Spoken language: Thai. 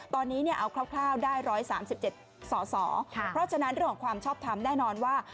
ตอนนี้เอาคร่าวได้๑๓๗สอสอเพราะฉะนั้นเรื่องของความชอบทำแน่นอนว่า